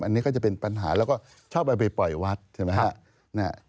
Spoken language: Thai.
อันนี้ก็จะเป็นปัญหาแล้วก็ชอบเอาไปปล่อยวัดใช่ไหมครับ